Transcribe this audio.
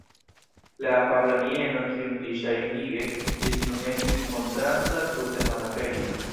La afabla mieno, kiun li ŝajnige ĝis nun estis montranta, tute malaperis.